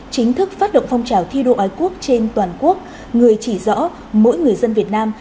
chính thức phát động phong trào thi đua ái quốc trên toàn quốc người chỉ rõ mỗi người dân việt nam